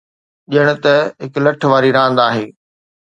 ڄڻ ته هڪ لٺ واري راند آهي.